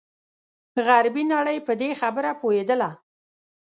غربي نړۍ په دې خبره پوهېدله.